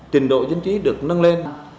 trình độ dân trí được nâng lên